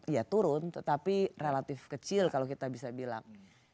ya turun tetapi relatif kecil kalau kita bisa bilang